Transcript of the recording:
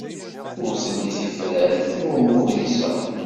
Ur telli tifrat i umukris-a.